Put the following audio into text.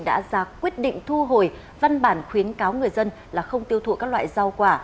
đã ra quyết định thu hồi văn bản khuyến cáo người dân là không tiêu thụ các loại rau quả